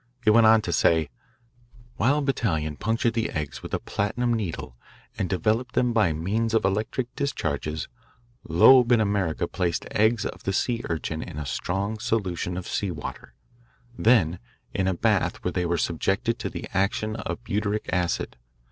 It went on to say: While Betallion punctured the eggs with a platinum needle and developed them by means of electric discharges, Loeb in America placed eggs of the sea urchin in a strong solution of sea water, then in a bath where they were subjected to the action of butyric acid.